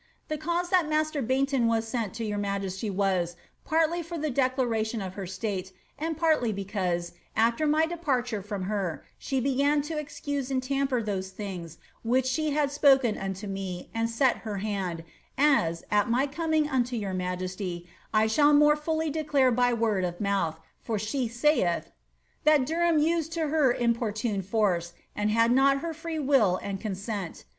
The cause that master Baynton was sent to 3rour majesty was, partly for tlie declaration of her state, and partly because, aAer my departure from her, she began to excuse and tamper those things which she had spoken onto me and set her hand, as, at my coming unto your majesty, I shall more fully declare by word of mouth, for she saith, *that Derham used to her impo^ tune force, and had not her fiee w^ill and consent.